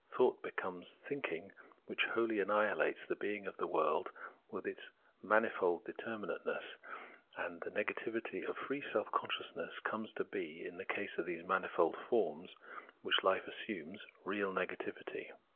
Thought becomes thinking which wholly annihilates the being of the world with its manifold determinateness, and the negativity of free self consciousness comes to be, in the case of these manifold forms which hfe assumes, real negativity.